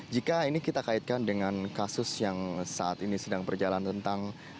jika ini kita kaitkan dengan kasus yang saat ini sedang berjalan tentang